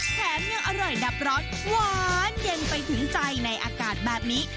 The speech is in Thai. แถมยังอร่อยดับร้อนหวานเย็นไปถึงใจในอากาศแบบนี้